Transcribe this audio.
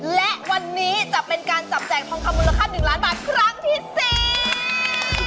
และวันนี้จะเป็นการจับแจกทองคามูลค่า๑ล้านบาท